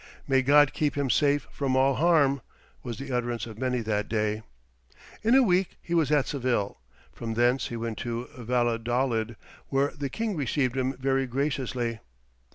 "May God keep him safe from all harm," was the utterance of many that day. In a week he was at Seville, from thence he went to Valladolid, where the king received him very graciously.